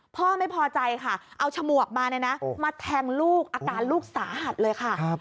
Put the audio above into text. พ่อไม่พอใจค่ะเอาฉมวกมามาแทงลูกอาการลูกสาหัสเลยค่ะ